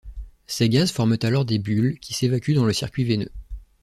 Ces gaz forment alors des bulles qui s'évacuent dans le circuit veineux.